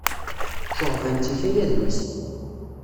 Ceɣɣben-tt ikayaden-is.